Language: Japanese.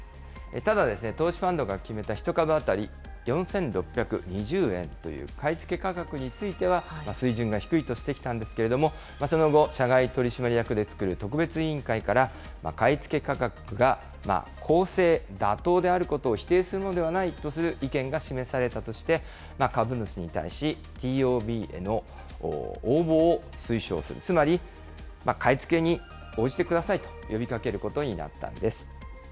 ただ、投資ファンドが決めた１株当たり４６２０円という買い付け価格については、水準が低いとしてきたんですけれども、その後、社外取締役で作る特別委員会から、買い付け価格が公正・妥当であることを否定するものではないとする意見が示されたとして、株主に対し、ＴＯＢへの応募を推奨する、つまり、買い付けに応じてくださいと呼びかけることになったんです。